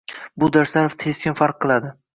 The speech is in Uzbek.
Bu darslar keskin farq qiladi.